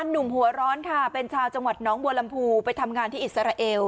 หนุ่มหัวร้อนค่ะเป็นชาวจังหวัดน้องบัวลำพูไปทำงานที่อิสราเอล